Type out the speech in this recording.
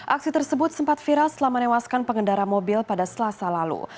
aksi tersebut sempat viral setelah menewaskan pengendara mobil pada selasa lalu